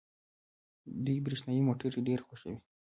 دوی برښنايي موټرې ډېرې خوښوي.